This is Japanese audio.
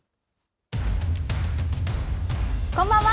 こんばんは。